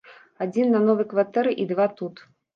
Адзін на новай кватэры і два тут.